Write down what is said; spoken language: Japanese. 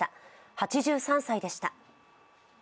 ８３歳でした。